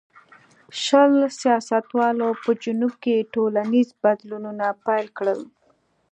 شل سیاستوالو په جنوب کې ټولنیز بدلونونه پیل کړل.